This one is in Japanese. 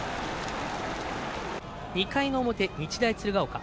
２回の表、日大鶴ヶ丘。